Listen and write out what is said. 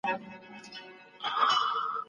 ساقي در مبارک دي میکدې وي ټولي تاته